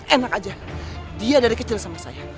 enak aja dia dari kecil sama saya